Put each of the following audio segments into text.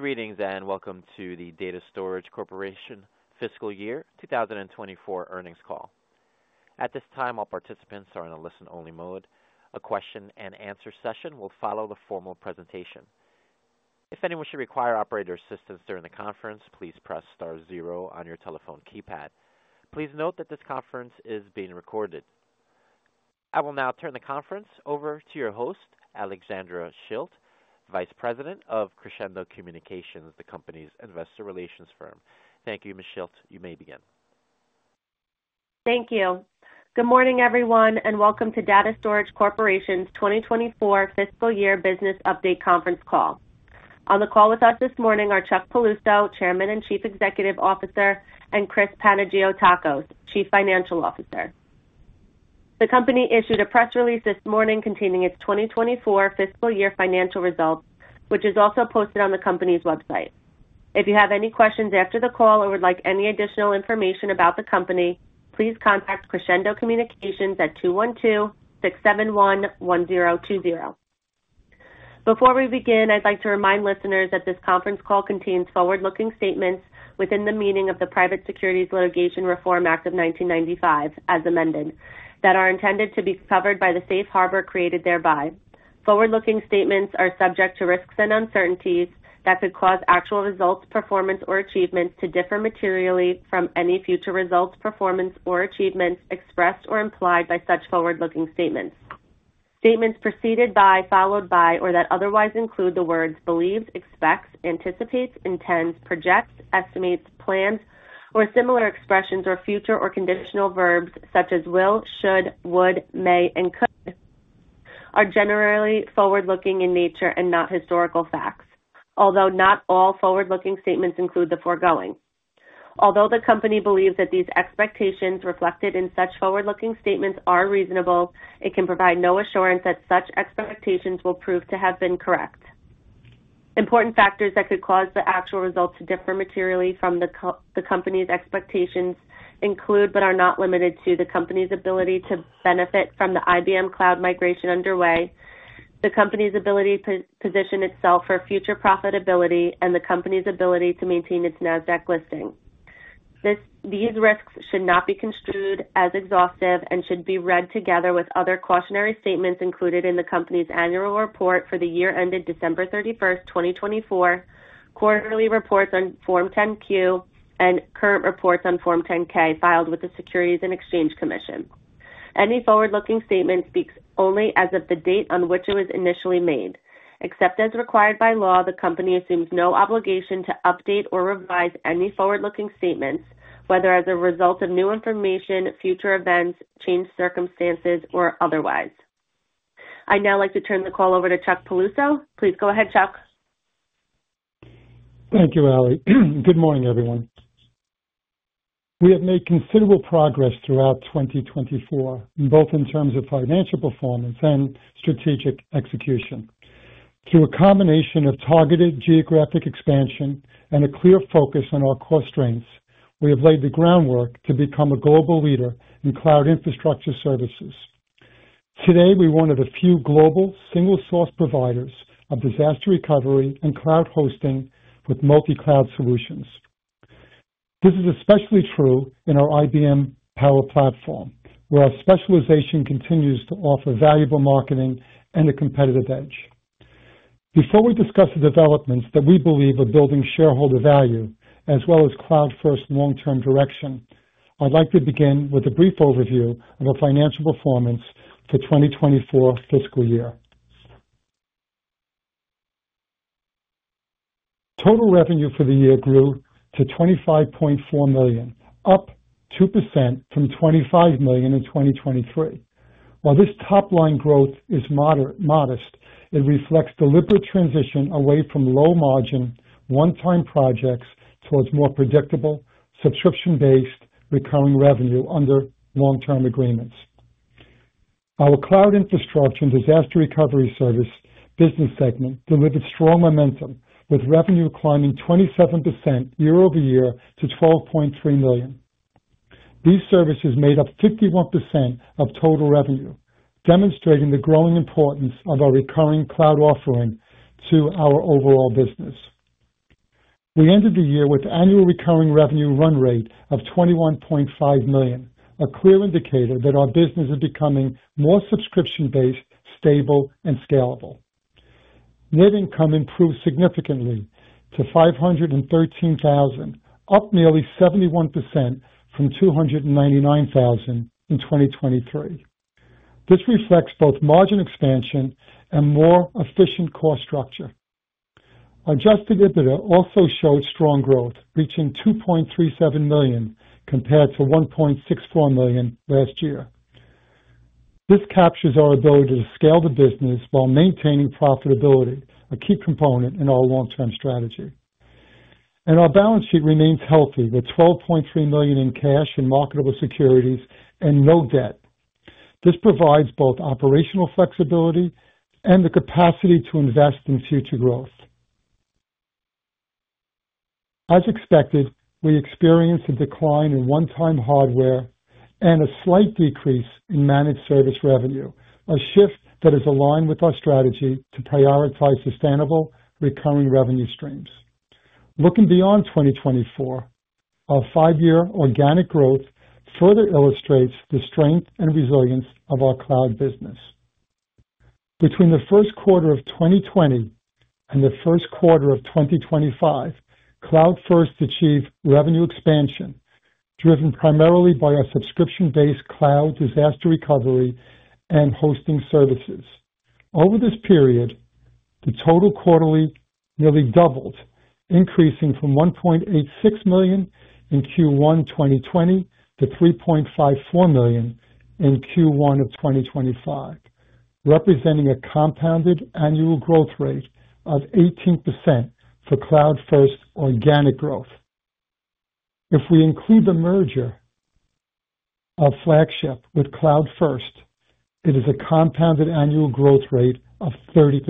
Good evening, and welcome to the Data Storage Corporation fiscal year 2024 earnings call. At this time, all participants are in a listen-only mode. A question-and-answer session will follow the formal presentation. If anyone should require operator assistance during the conference, please press star zero on your telephone keypad. Please note that this conference is being recorded. I will now turn the conference over to your host, Alexandra Schilt, Vice President of Crescendo Communications, the company's investor relations firm. Thank you, Ms. Schilt. You may begin. Thank you. Good morning, everyone, and welcome to Data Storage Corporation's 2024 fiscal year business update conference call. On the call with us this morning are Chuck Piluso, Chairman and Chief Executive Officer, and Chris Panagiotakos, Chief Financial Officer. The company issued a press release this morning containing its 2024 fiscal year financial results, which is also posted on the company's website. If you have any questions after the call or would like any additional information about the company, please contact Crescendo Communications at (212) 671-1020. Before we begin, I'd like to remind listeners that this conference call contains forward-looking statements within the meaning of the Private Securities Litigation Reform Act of 1995, as amended, that are intended to be covered by the safe harbor created thereby. Forward-looking statements are subject to risks and uncertainties that could cause actual results, performance, or achievements to differ materially from any future results, performance, or achievements expressed or implied by such forward-looking statements. Statements preceded by, followed by, or that otherwise include the words believes, expects, anticipates, intends, projects, estimates, plans, or similar expressions or future or conditional verbs such as will, should, would, may, and could are generally forward-looking in nature and not historical facts, although not all forward-looking statements include the foregoing. Although the company believes that these expectations reflected in such forward-looking statements are reasonable, it can provide no assurance that such expectations will prove to have been correct. Important factors that could cause the actual results to differ materially from the company's expectations include but are not limited to the company's ability to benefit from the IBM cloud migration underway, the company's ability to position itself for future profitability, and the company's ability to maintain its NASDAQ listing. These risks should not be construed as exhaustive and should be read together with other cautionary statements included in the company's annual report for the year ended 31 December 2024, quarterly reports on Form 10-Q, and current reports on Form 10-K filed with the Securities and Exchange Commission. Any forward-looking statement speaks only as of the date on which it was initially made. Except as required by law, the company assumes no obligation to update or revise any forward-looking statements, whether as a result of new information, future events, changed circumstances, or otherwise. I'd now like to turn the call over to Chuck Piluso. Please go ahead, Chuck. Thank you, Ali. Good morning, everyone. We have made considerable progress throughout 2024, both in terms of financial performance and strategic execution. Through a combination of targeted geographic expansion and a clear focus on our core strengths, we have laid the groundwork to become a global leader in cloud infrastructure services. Today, we're one of the few global single-source providers of disaster recovery and cloud hosting with multi-cloud solutions. This is especially true in our IBM Power Platform, where our specialization continues to offer valuable marketing and a competitive edge. Before we discuss the developments that we believe are building shareholder value as well as Cloud First long-term direction, I'd like to begin with a brief overview of our financial performance for the 2024 fiscal year. Total revenue for the year grew to $25.4 million, up 2% from $25 million in 2023. While this top-line growth is modest, it reflects deliberate transition away from low-margin, one-time projects towards more predictable, subscription-based, recurring revenue under long-term agreements. Our cloud infrastructure and disaster recovery service business segment delivered strong momentum, with revenue climbing 27% year-over-year to $12.3 million. These services made up 51% of total revenue, demonstrating the growing importance of our recurring cloud offering to our overall business. We ended the year with annual recurring revenue run rate of $21.5 million, a clear indicator that our business is becoming more subscription-based, stable, and scalable. Net income improved significantly to $513,000, up nearly 71% from $299,000 in 2023. This reflects both margin expansion and a more efficient core structure. Our adjusted EBITDA also showed strong growth, reaching $2.37 million compared to $1.64 million last year. This captures our ability to scale the business while maintaining profitability, a key component in our long-term strategy. Our balance sheet remains healthy, with $12.3 million in cash and marketable securities and no debt. This provides both operational flexibility and the capacity to invest in future growth. As expected, we experienced a decline in one-time hardware and a slight decrease in managed service revenue, a shift that is aligned with our strategy to prioritize sustainable recurring revenue streams. Looking beyond 2024, our five-year organic growth further illustrates the strength and resilience of our cloud business. Between the first quarter of 2020 and the first quarter of 2025, CloudFirst achieved revenue expansion, driven primarily by our subscription-based cloud disaster recovery and hosting services. Over this period, the total quarterly nearly doubled, increasing from $1.86 million in Q1 2020 to $3.54 million in Q1 of 2025, representing a compounded annual growth rate of 18% for CloudFirst organic growth. If we include the merger of Flagship with CloudFirst, it is a compounded annual growth rate of 30%.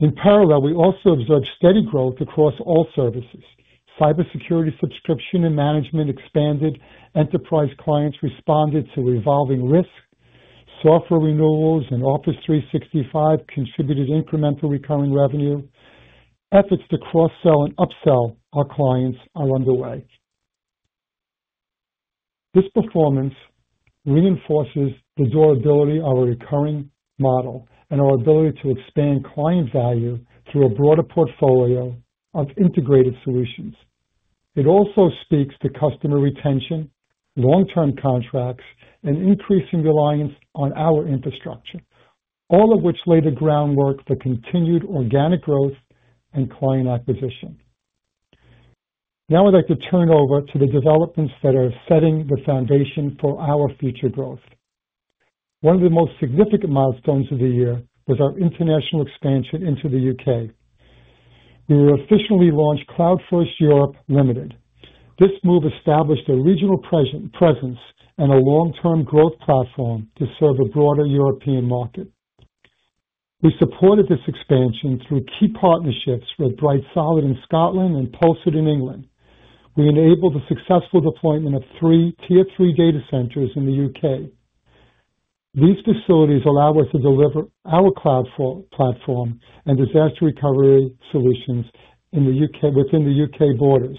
In parallel, we also observed steady growth across all services. Cybersecurity subscription and management expanded. Enterprise clients responded to evolving risk. Software renewals and Office 365 contributed incremental recurring revenue. Efforts to cross-sell and upsell our clients are underway. This performance reinforces the durability of our recurring model and our ability to expand client value through a broader portfolio of integrated solutions. It also speaks to customer retention, long-term contracts, and increasing reliance on our infrastructure, all of which laid the groundwork for continued organic growth and client acquisition. Now I'd like to turn over to the developments that are setting the foundation for our future growth. One of the most significant milestones of the year was our international expansion into the UK We officially launched CloudFirst Europe Limited. This move established a regional presence and a long-term growth platform to serve a broader European market. We supported this expansion through key partnerships with Brightsolid in Scotland and Pulsant in England. We enabled the successful deployment of three Tier III data centers in the UK These facilities allow us to deliver our cloud platform and disaster recovery solutions within the UK borders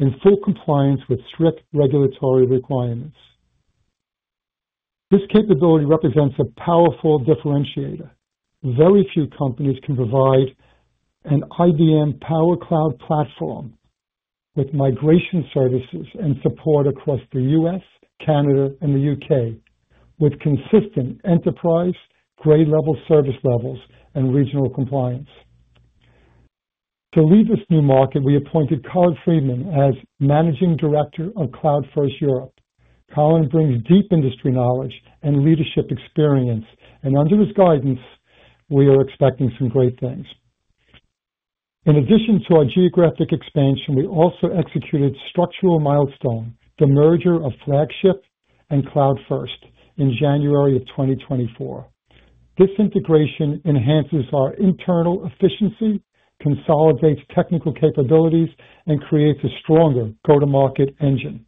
in full compliance with strict regulatory requirements. This capability represents a powerful differentiator. Very few companies can provide an IBM Power Cloud platform with migration services and support across the US, Canada, and the UK with consistent enterprise grade-level service levels and regional compliance. To lead this new market, we appointed Carl Friedman as Managing Director of CloudFirst Europe. Carl brings deep industry knowledge and leadership experience, and under his guidance, we are expecting some great things. In addition to our geographic expansion, we also executed structural milestones, the merger of Flagship and CloudFirst, in January of 2024. This integration enhances our internal efficiency, consolidates technical capabilities, and creates a stronger go-to-market engine.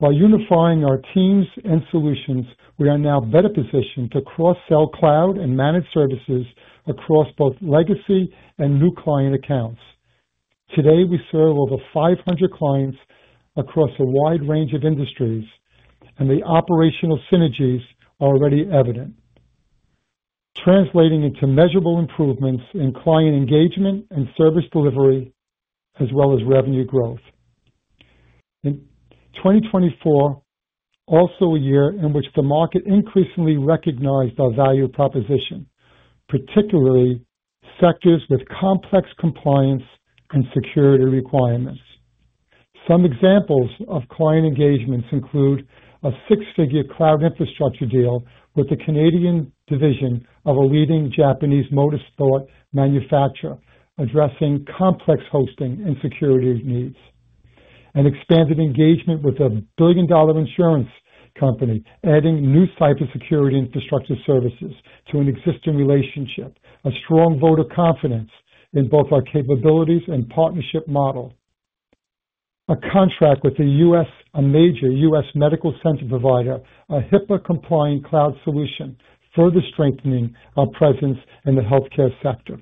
By unifying our teams and solutions, we are now better positioned to cross-sell cloud and managed services across both legacy and new client accounts. Today, we serve over 500 clients across a wide range of industries, and the operational synergies are already evident, translating into measurable improvements in client engagement and service delivery, as well as revenue growth. 2024 is also a year in which the market increasingly recognized our value proposition, particularly sectors with complex compliance and security requirements. Some examples of client engagements include a six-figure cloud infrastructure deal with the Canadian division of a leading Japanese motorsport manufacturer, addressing complex hosting and security needs. An expanded engagement with a billion-dollar insurance company, adding new cybersecurity infrastructure services to an existing relationship, a strong vote of confidence in both our capabilities and partnership model. A contract with a major US medical center provider, a HIPAA-compliant cloud solution, further strengthening our presence in the healthcare sector.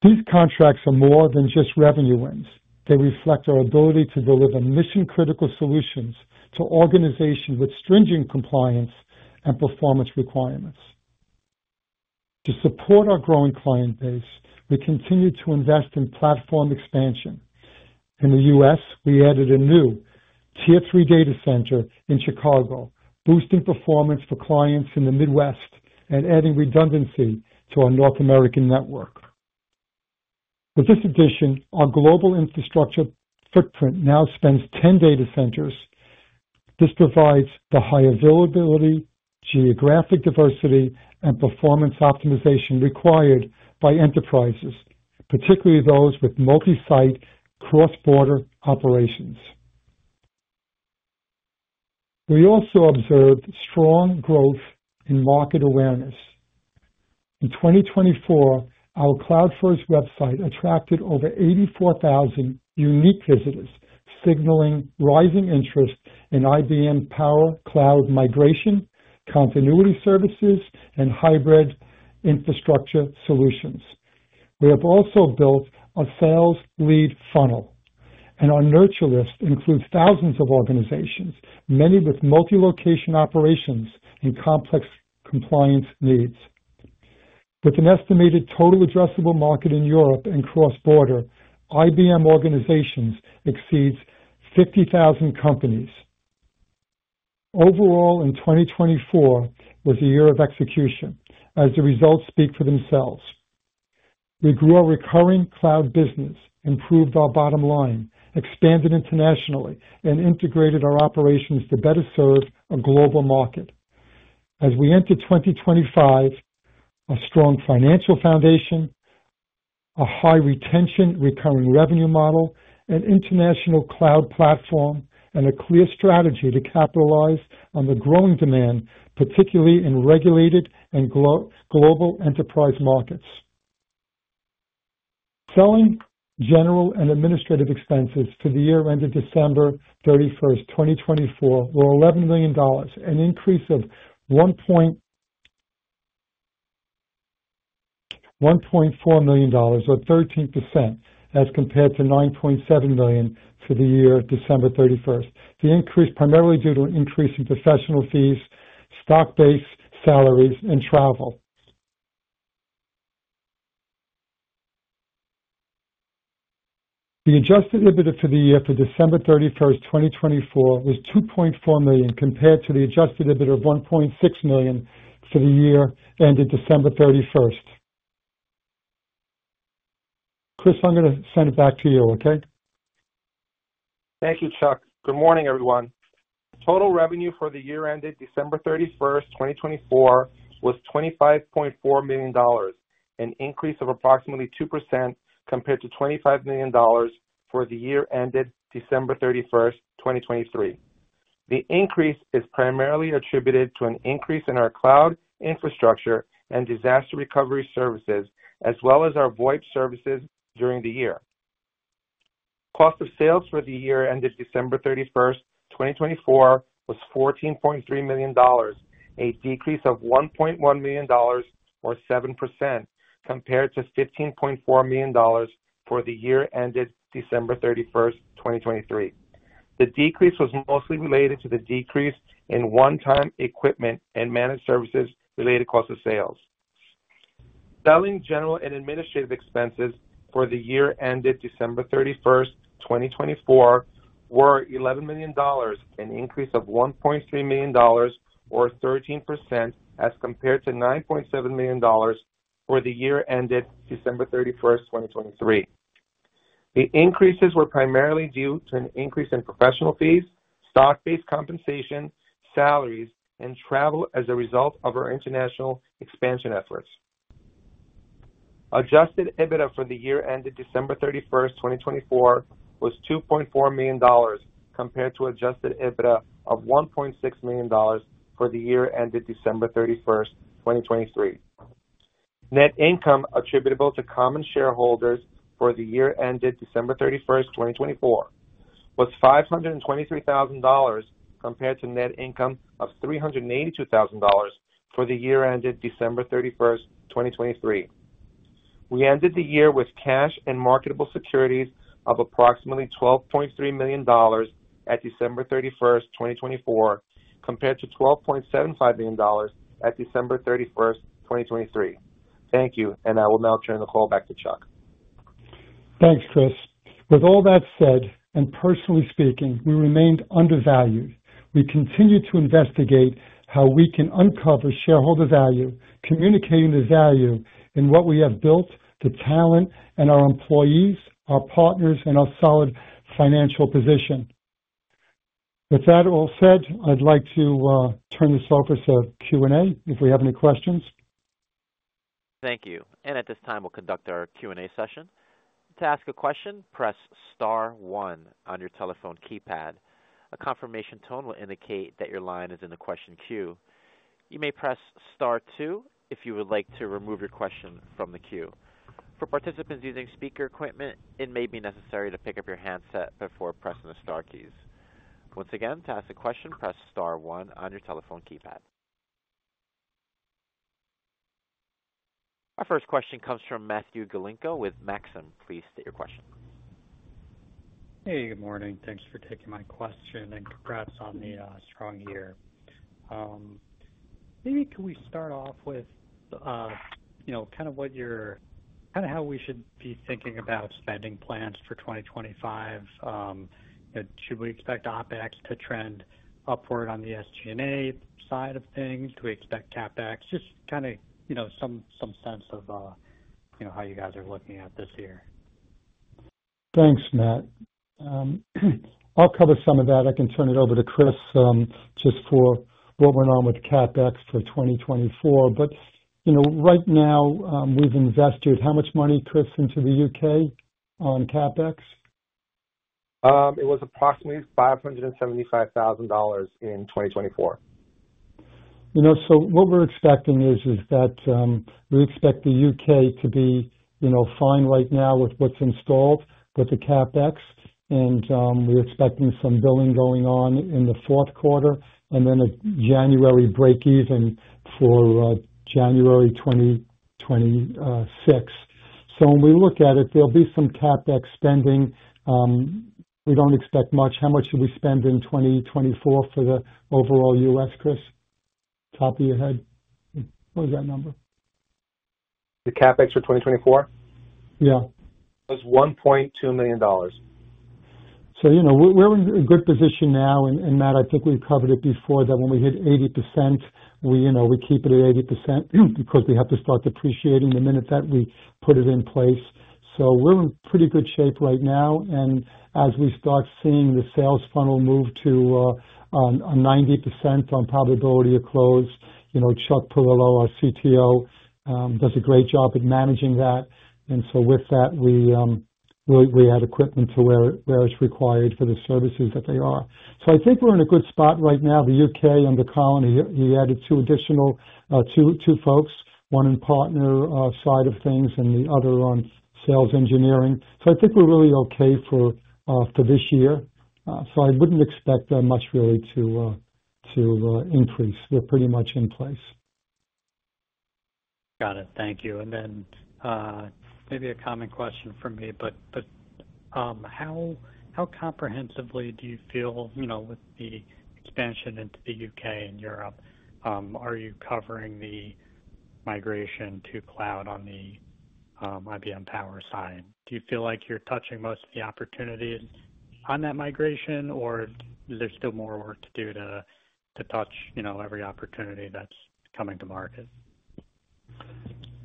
These contracts are more than just revenue wins. They reflect our ability to deliver mission-critical solutions to organizations with stringent compliance and performance requirements. To support our growing client base, we continue to invest in platform expansion. In the US, we added a new Tier III data center in Chicago, boosting performance for clients in the Midwest and adding redundancy to our North American Network. With this addition, our global infrastructure footprint now spans 10 data centers. This provides the high availability, geographic diversity, and performance optimization required by enterprises, particularly those with multi-site, cross-border operations. We also observed strong growth in market awareness. In 2024, our CloudFirst website attracted over 84,000 unique visitors, signaling rising interest in IBM Power Cloud migration, continuity services, and hybrid infrastructure solutions. We have also built a sales lead funnel, and our nurture list includes thousands of organizations, many with multi-location operations and complex compliance needs. With an estimated total addressable market in Europe and cross-border, IBM organizations exceed 50,000 companies. Overall, 2024 was a year of execution, as the results speak for themselves. We grew our recurring cloud business, improved our bottom line, expanded internationally, and integrated our operations to better serve a global market. As we enter 2025, a strong financial foundation, a high-retention recurring revenue model, an international cloud platform, and a clear strategy to capitalize on the growing demand, particularly in regulated and global enterprise markets. Selling, general, and administrative expenses for the year ended 31 December 2024, were $11 million, an increase of $1.4 million, or 13%, as compared to $9.7 million for the year December 31. The increase was primarily due to an increase in professional fees, stock-based salaries, and travel. The adjusted EBITDA for the year for 31 December 2024, was $2.4 million, compared to the adjusted EBITDA of $1.6 million for the year ended December 31. Chris, I'm going to send it back to you, okay? Thank you, Chuck. Good morning, everyone. Total revenue for the year ended 31 December 2024, was $25.4 million, an increase of approximately 2% compared to $25 million for the year ended 31 December 2023. The increase is primarily attributed to an increase in our cloud infrastructure and disaster recovery services, as well as our VoIP services during the year. Cost of sales for the year ended 31 December 2024, was $14.3 million, a decrease of $1.1 million, or 7%, compared to $15.4 million for the year ended 31 December 2023. The decrease was mostly related to the decrease in one-time equipment and managed services related cost of sales. Selling, general and administrative expenses for the year ended 31 December 2024, were $11 million, an increase of $1.3 million, or 13%, as compared to $9.7 million for the year ended 31 December 2023. The increases were primarily due to an increase in professional fees, stock-based compensation, salaries, and travel as a result of our international expansion efforts. Adjusted EBITDA for the year ended 31 December 2024, was $2.4 million, compared to adjusted EBITDA of $1.6 million for the year ended 31 December 2023. Net income attributable to common shareholders for the year ended 31 December 2024, was $523,000, compared to net income of $382,000 for the year ended 31 December 2023. We ended the year with cash and marketable securities of approximately $12.3 million at 31 December 2024, compared to $12.75 million at 31 December 2023. Thank you, and I will now turn the call back to Chuck. Thanks, Chris. With all that said, and personally speaking, we remained undervalued. We continue to investigate how we can uncover shareholder value, communicating the value in what we have built, the talent, and our employees, our partners, and our solid financial position. With that all said, I'd like to turn this over to Q&A if we have any questions. Thank you. At this time, we'll conduct our Q&A session. To ask a question, press Star one on your telephone keypad. A confirmation tone will indicate that your line is in the question queue. You may press Star two if you would like to remove your question from the queue. For participants using speaker equipment, it may be necessary to pick up your handset before pressing the Star keys. Once again, to ask a question, press Star one on your telephone keypad. Our first question comes from Matthew Galinko with Maxim. Please state your question. Hey, good morning. Thanks for taking my question and congrats on the strong year. Maybe can we start off with kind of what you're kind of how we should be thinking about spending plans for 2025? Should we expect OpEx to trend upward on the SG&A side of things? Do we expect CapEx? Just kind of some sense of how you guys are looking at this year. Thanks, Matt. I'll cover some of that. I can turn it over to Chris just for what went on with CapEx for 2024. Right now, we've invested how much money, Chris, into the UK on CapEx? It was approximately $575,000 in 2024. What we're expecting is that we expect the UK to be fine right now with what's installed with the CapEx. We're expecting some billing going on in the fourth quarter and then a January break-even for January 2026. When we look at it, there will be some CapEx spending. We do not expect much. How much did we spend in 2024 for the overall US, Chris? Top of your head. What was that number? The CapEx for 2024? Yeah. It was $1.2 million. We are in a good position now. Matt, I think we have covered it before that when we hit 80%, we keep it at 80% because we have to start depreciating the minute that we put it in place. We are in pretty good shape right now. As we start seeing the sales funnel move to 90% on probability of close, Chuck Piluso, our CTO, does a great job at managing that. With that, we add equipment to where it is required for the services that they are. I think we are in a good spot right now. The U.K. and the colony, he added two additional two folks, one in partner side of things and the other on sales engineering. I think we're really okay for this year. I wouldn't expect much, really, to increase. We're pretty much in place. Got it. Thank you. Maybe a common question for me, but how comprehensively do you feel with the expansion into the UK and Europe? Are you covering the migration to cloud on the IBM Power side? Do you feel like you're touching most of the opportunities on that migration, or is there still more work to do to touch every opportunity that's coming to market?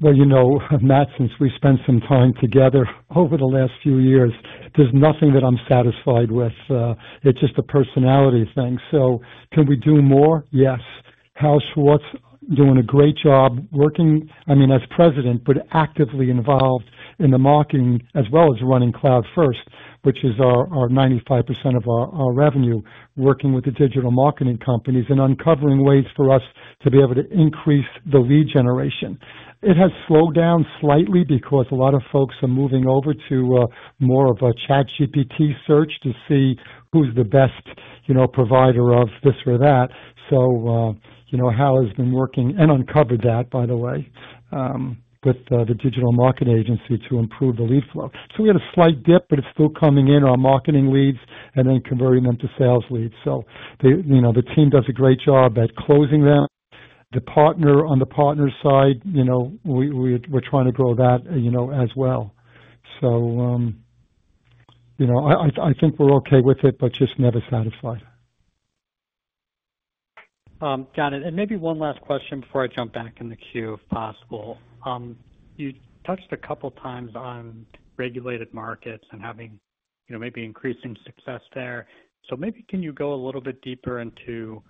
Matt, since we spent some time together over the last few years, there's nothing that I'm satisfied with. It's just a personality thing. Can we do more? Yes. Hal Schwartz doing a great job working, I mean, as President, but actively involved in the marketing as well as running CloudFirst, which is our 95% of our revenue, working with the digital marketing companies and uncovering ways for us to be able to increase the lead generation. It has slowed down slightly because a lot of folks are moving over to more of a ChatGPT search to see who's the best provider of this or that. Howell has been working and uncovered that, by the way, with the digital market agency to improve the lead flow. We had a slight dip, but it's still coming in our marketing leads and then converting them to sales leads. The team does a great job at closing them. The partner on the partner side, we're trying to grow that as well. I think we're okay with it, but just never satisfied. Got it. Maybe one last question before I jump back in the queue, if possible. You touched a couple of times on regulated markets and having maybe increasing success there. Maybe can you go a little bit deeper into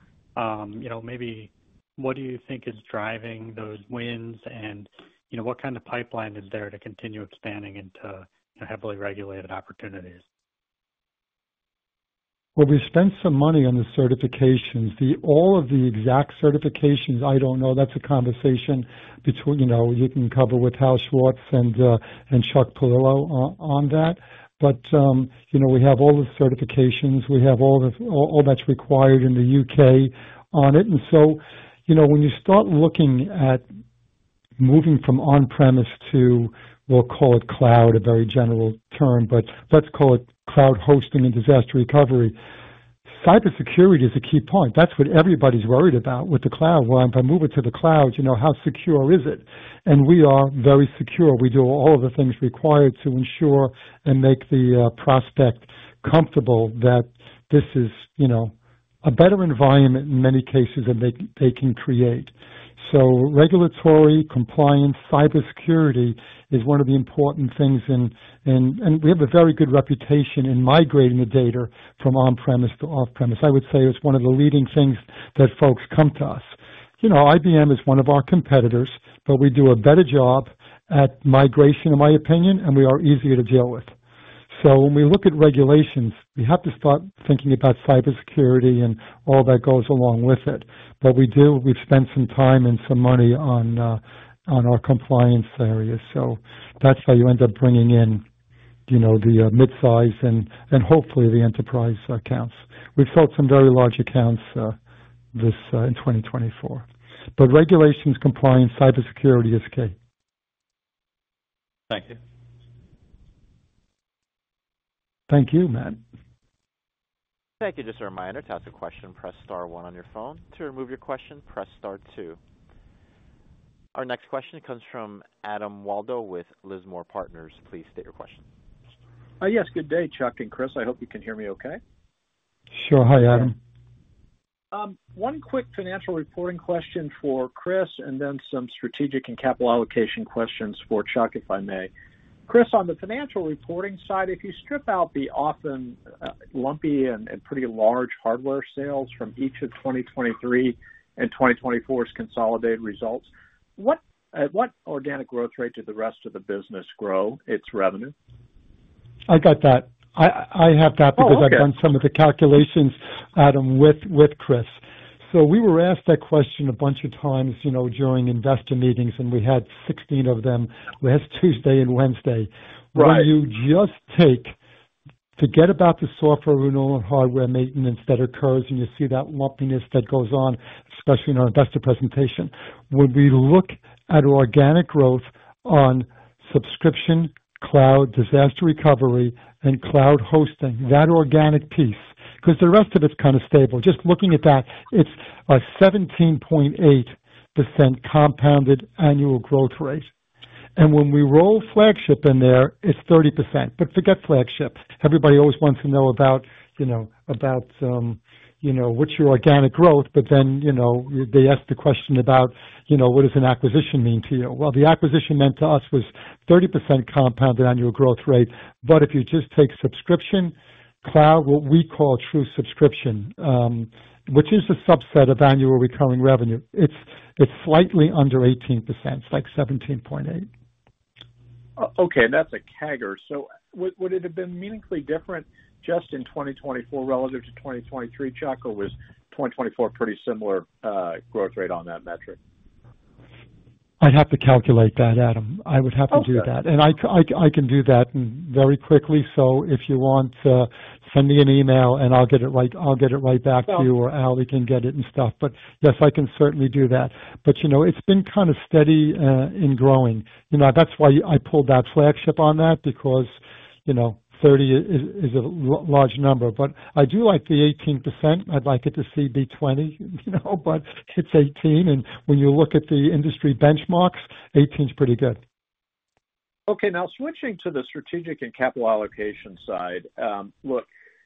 maybe what do you think is driving those wins and what kind of pipeline is there to continue expanding into heavily regulated opportunities? We spent some money on the certifications. All of the exact certifications, I don't know. That's a conversation you can cover with Hal Schwartz and Chuck Piluso on that. We have all the certifications. We have all that's required in the UK on it. When you start looking at moving from on-premise to, we'll call it cloud, a very general term, but let's call it cloud hosting and disaster recovery. Cybersecurity is a key point. That's what everybody's worried about with the cloud. If I move it to the cloud, how secure is it? We are very secure. We do all of the things required to ensure and make the prospect comfortable that this is a better environment in many cases than they can create. Regulatory compliance, cybersecurity is one of the important things. We have a very good reputation in migrating the data from on-premise to off-premise. I would say it's one of the leading things that folks come to us. IBM is one of our competitors, but we do a better job at migration, in my opinion, and we are easier to deal with. When we look at regulations, we have to start thinking about cybersecurity and all that goes along with it. We have spent some time and some money on our compliance areas. That is how you end up bringing in the mid-size and hopefully the enterprise accounts. We have sold some very large accounts in 2024. Regulations, compliance, cybersecurity is key. Thank you. Thank you, Matt. Thank you. Just a reminder to ask a question, press Star one on your phone. To remove your question, press Star two. Our next question comes from Adam Waldo with Lismore Partners. Please state your question. Yes. Good day, Chuck and Chris. I hope you can hear me okay. Sure. Hi, Adam. One quick financial reporting question for Chris and then some strategic and capital allocation questions for Chuck, if I may. Chris, on the financial reporting side, if you strip out the often lumpy and pretty large hardware sales from each of 2023 and 2024's consolidated results, what organic growth rate did the rest of the business grow its revenue? I got that. I have that because I've done some of the calculations, Adam, with Chris. We were asked that question a bunch of times during investor meetings, and we had 16 of them last Tuesday and Wednesday. When you just take to get about the software and all the hardware maintenance that occurs and you see that lumpiness that goes on, especially in our investor presentation, when we look at organic growth on subscription, cloud, disaster recovery, and cloud hosting, that organic piece, because the rest of it's kind of stable. Just looking at that, it's a 17.8% compounded annual growth rate. When we roll Flagship in there, it's 30%. Forget Flagship. Everybody always wants to know about what's your organic growth, but then they ask the question about what does an acquisition mean to you? The acquisition meant to us was 30% compounded annual growth rate. If you just take subscription, cloud, what we call true subscription, which is a subset of annual recurring revenue, it's slightly under 18%. It's like 17.8%. That's a CAGR. Would it have been meaningfully different just in 2024 relative to 2023? Chuck, was 2024 pretty similar growth rate on that metric? I'd have to calculate that, Adam. I would have to do that. I can do that very quickly. If you want, send me an email and I'll get it right back to you or Ali can get it and stuff. Yes, I can certainly do that. It's been kind of steady in growing. That's why I pulled that flagship on that because 30 is a large number. I do like the 18%. I'd like it to be 20%, but it's 18%. When you look at the industry benchmarks, 18% is pretty good. Okay. Now, switching to the strategic and capital allocation side, look,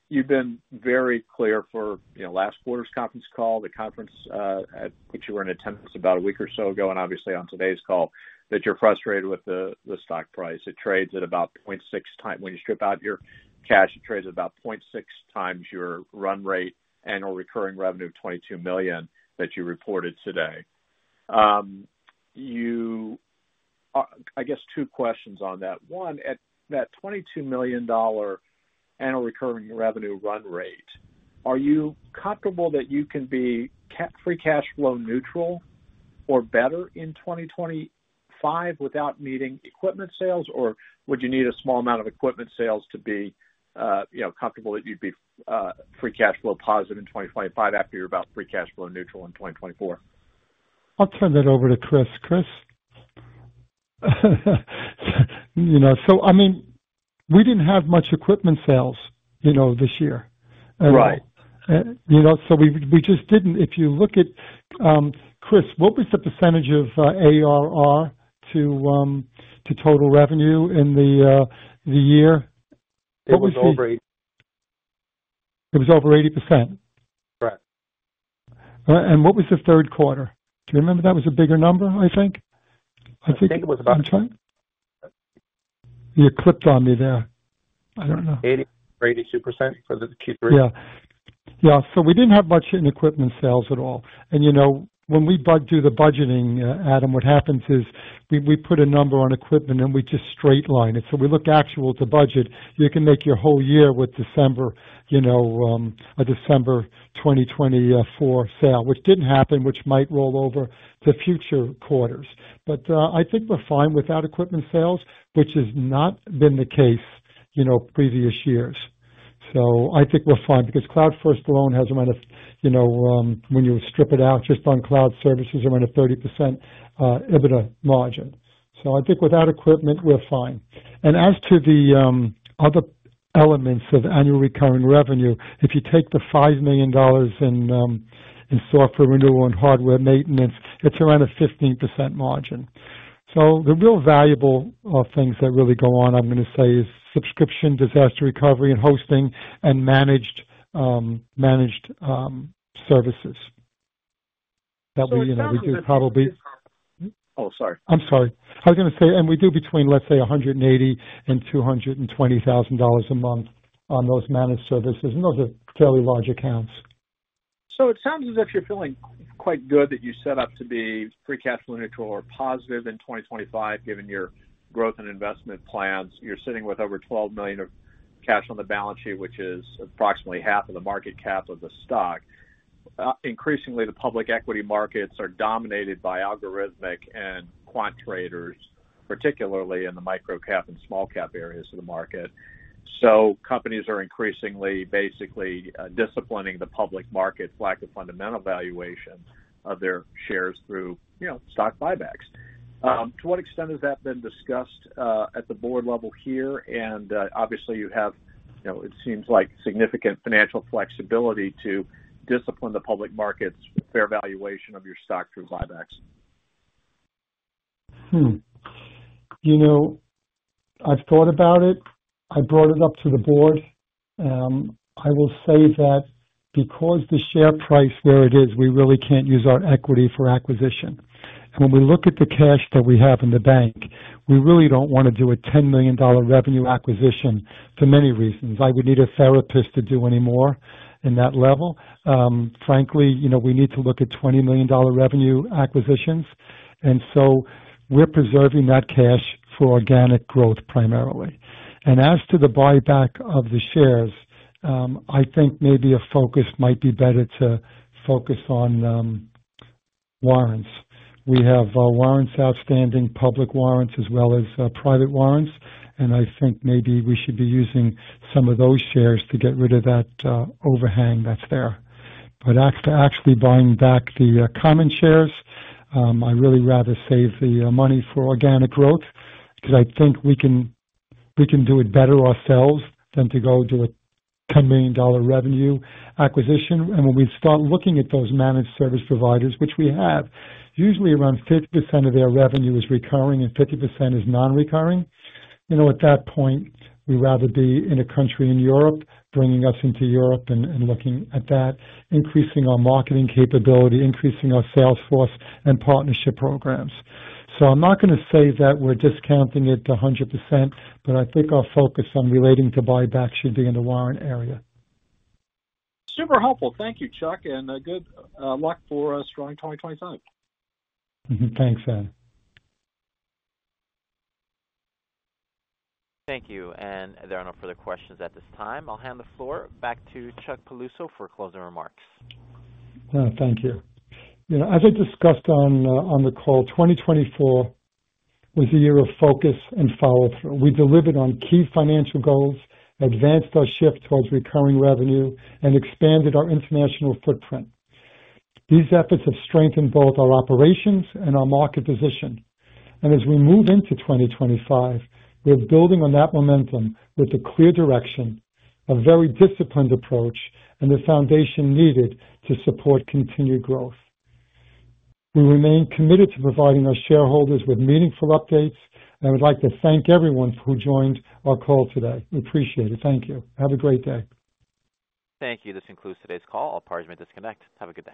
you've been very clear for last quarter's conference call, the conference at which you were in attendance about a week or so ago, and obviously on today's call, that you're frustrated with the stock price. It trades at about 0.6 times. When you strip out your cash, it trades at about 0.6 times your run rate and/or recurring revenue of $22 million that you reported today. I guess two questions on that. One, at that $22 million annual recurring revenue run rate, are you comfortable that you can be free cash flow neutral or better in 2025 without meeting equipment sales, or would you need a small amount of equipment sales to be comfortable that you'd be free cash flow positive in 2025 after you're about free cash flow neutral in 2024? I'll turn that over to Chris. Chris. I mean, we didn't have much equipment sales this year. We just didn't. If you look at, Chris, what was the percentage of ARR to total revenue in the year? What was the? It was over 80. It was over 80%. Correct. And what was the third quarter? Do you remember? That was a bigger number, I think. I think it was about. You clipped on me there. I don't know. 80 or 82% for the Q3? Yeah. Yeah.We didn't have much in equipment sales at all. When we do the budgeting, Adam, what happens is we put a number on equipment and we just straight line it. We look actual to budget. You can make your whole year with a December 2024 sale, which didn't happen, which might roll over to future quarters. I think we're fine without equipment sales, which has not been the case previous years. I think we're fine because CloudFirst alone has around a, when you strip it out, just on cloud services, around a 30% EBITDA margin. I think without equipment, we're fine. As to the other elements of annual recurring revenue, if you take the $5 million in software renewal and hardware maintenance, it's around a 15% margin. The real valuable things that really go on, I'm going to say, is subscription, disaster recovery, and hosting, and managed services. That we do probably. Oh, sorry. I'm sorry. I was going to say, and we do between, let's say, $180,000 and $220,000 a month on those managed services. And those are fairly large accounts. It sounds as if you're feeling quite good that you set up to be free cash flow neutral or positive in 2025, given your growth and investment plans. You're sitting with over $12 million of cash on the balance sheet, which is approximately half of the market cap of the stock. Increasingly, the public equity markets are dominated by algorithmic and quant traders, particularly in the micro-cap and small-cap areas of the market. Companies are increasingly basically disciplining the public markets' lack of fundamental valuation of their shares through stock buybacks. To what extent has that been discussed at the board level here? Obviously, you have, it seems like, significant financial flexibility to discipline the public markets' fair valuation of your stock through buybacks. I've thought about it. I brought it up to the board. I will say that because the share price, there it is, we really can't use our equity for acquisition. When we look at the cash that we have in the bank, we really don't want to do a $10 million revenue acquisition for many reasons. I would need a therapist to do any more in that level. Frankly, we need to look at $20 million revenue acquisitions. We are preserving that cash for organic growth primarily. As to the buyback of the shares, I think maybe a focus might be better to focus on warrants. We have warrants, outstanding public warrants, as well as private warrants. I think maybe we should be using some of those shares to get rid of that overhang that's there. Actually buying back the common shares, I really rather save the money for organic growth because I think we can do it better ourselves than to go do a $10 million revenue acquisition. When we start looking at those managed service providers, which we have, usually around 50% of their revenue is recurring and 50% is non-recurring, at that point, we'd rather be in a country in Europe, bringing us into Europe and looking at that, increasing our marketing capability, increasing our sales force and partnership programs. I'm not going to say that we're discounting it to 100%, but I think our focus on relating to buyback should be in the warrant area. Super helpful. Thank you, Chuck. And good luck for us during 2025. Thanks, Adam. Thank you. There are no further questions at this time. I'll hand the floor back to Chuck Piluso for closing remarks. Thank you. As I discussed on the call, 2024 was a year of focus and follow-through. We delivered on key financial goals, advanced our shift towards recurring revenue, and expanded our international footprint. These efforts have strengthened both our operations and our market position. As we move into 2025, we're building on that momentum with a clear direction, a very disciplined approach, and the foundation needed to support continued growth. We remain committed to providing our shareholders with meaningful updates, and I would like to thank everyone who joined our call today. We appreciate it. Thank you. Have a great day. Thank you. This concludes today's call. I'll pardon my disconnect. Have a good day.